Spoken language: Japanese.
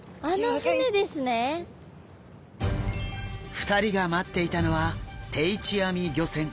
２人が待っていたのは定置網漁船。